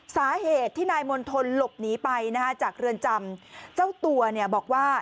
สาเหตุที่นายมณฑลหลบหนีไปนะฮะจากเรือนจำเจ้าตัวเนี่ยบอกว่า